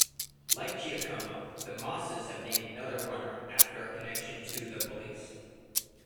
Like Giacomo, the Mosses have named another runner after a connection to The Police.